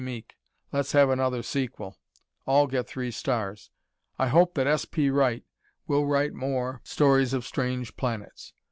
Meek (let's have another sequel), all get three stars. I hope that S.P. Wright will write more stories of strange planets.